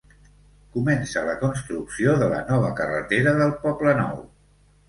Comença la construcció de la nova carretera del Poble Nou.